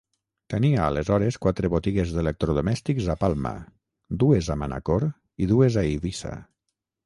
Tenia aleshores quatre botigues d'electrodomèstics a Palma, dues a Manacor i dues a Eivissa.